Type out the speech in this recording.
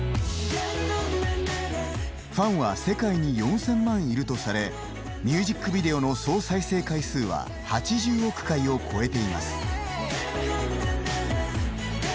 ファンは世界に４０００万いるとされミュージックビデオの総再生回数は８０億回を超えています。